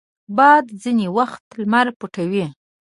باد ځینې وخت لمر پټوي